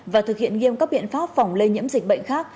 và thực hiện nghiêm các biện pháp phòng lây nhiễm dịch bệnh khác